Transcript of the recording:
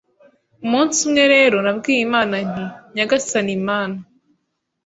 Umunsi umwe rero nabwiye Imana nti “Nyagasani Mana